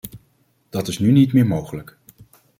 Dat is nu niet meer mogelijk.